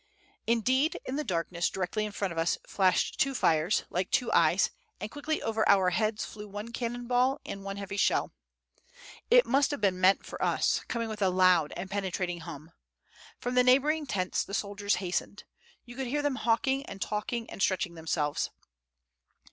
Indeed, in the darkness, directly in front of us, flashed two fires, like two eyes; and quickly over our heads flew one cannon ball and one heavy shell. It must have been meant for us, coming with a loud and penetrating hum. From the neighboring tents the soldiers hastened. You could hear them hawking and talking and stretching themselves.